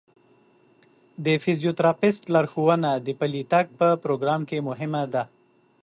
د فزیوتراپیست لارښوونه د پلي تګ په پروګرام کې مهمه ده.